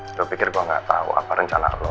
kira kira gua gak tau apa rencana lo